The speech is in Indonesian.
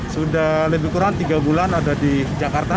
sudah lebih kurang tiga bulan ada di jakarta